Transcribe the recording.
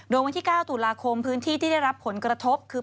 โดยวันที่๙ตุลาคมพื้นที่ที่ได้รับผลกระทบคือ